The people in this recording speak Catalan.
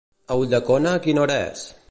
A Ulldecona quina hora és?